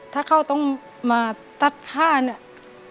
ถ้าเขาต้องมาตัดภาพ